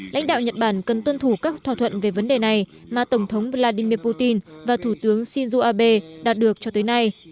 lãnh đạo nhật bản cần tuân thủ các thỏa thuận về vấn đề này mà tổng thống vladimir putin và thủ tướng shinzo abe đạt được cho tới nay